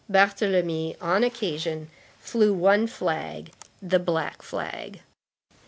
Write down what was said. Barthélemy, on occasion, flew but one flag, the black flag.